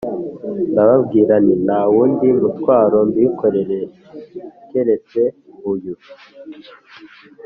Ndababwira nti: Nta wundi mutwaro mbīkoreza keretse uyu,